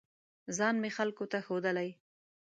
ځان مې خلکو ته ښودلی